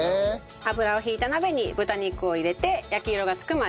油を引いた鍋に豚肉を入れて焼き色が付くまで炒めます。